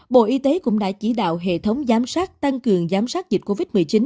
bộ y tế cũng đã chỉ đạo hệ thống giám sát tăng cường giám sát dịch covid một mươi chín